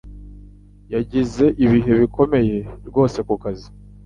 Yagize ibihe bikomeye rwose kukazi